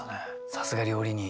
さすが料理人。